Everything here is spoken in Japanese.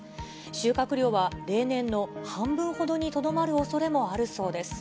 収穫量は例年の半分ほどにとどまるおそれもあるそうです。